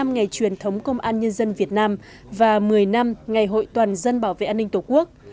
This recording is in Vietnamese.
một mươi ngày truyền thống công an nhân dân việt nam và một mươi năm ngày hội toàn dân bảo vệ an ninh tổ quốc